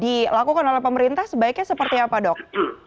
dilakukan oleh pemerintah sebaiknya seperti apa dok